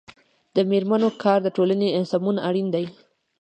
د میرمنو کار د ټولنې سمون اړین دی.